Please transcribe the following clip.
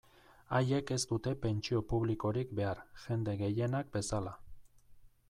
Haiek ez dute pentsio publikorik behar, jende gehienak bezala.